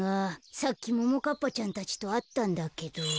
さっきももかっぱちゃんたちとあったんだけど。